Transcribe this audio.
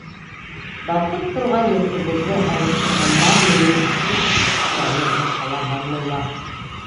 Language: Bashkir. Балҡып торған йортобоҙҙо алыштырғандармы ни! — тип һораны башҡаларҙан мулла.